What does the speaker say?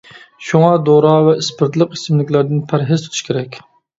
شۇڭا دورا ۋە ئىسپىرتلىق ئىچىملىكلەردىن پەرھىز تۇتۇش كېرەك.